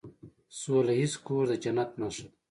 سوله ایز کور د جنت نښه ده.